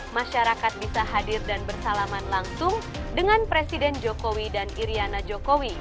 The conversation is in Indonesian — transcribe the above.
masyarakat bisa hadir dan bersalaman langsung dengan presiden jokowi dan iryana jokowi